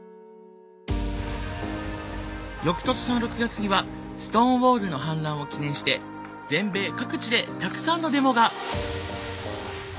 翌年の６月にはストーンウォールの反乱を記念して全米各地でたくさんのデモが！